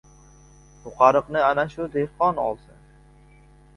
O‘qariqni ana shu dehqon olsin!